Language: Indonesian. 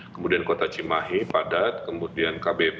kemudian kota cimahi padat kemudian kbp